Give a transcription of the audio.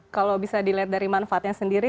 kalau bisa dilihat dari manfaatnya sendiri